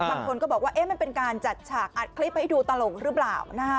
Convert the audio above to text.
บางคนก็บอกว่ามันเป็นการจัดฉากอัดคลิปให้ดูตลกหรือเปล่า